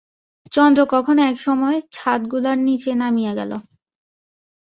চন্দ্র কখন এক সময় ছাদগুলার নীচে নামিয়া গেল।